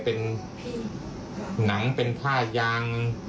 เป็นหนังเป็นผ้ายาง